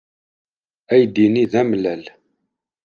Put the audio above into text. Aydi-nni d amellal.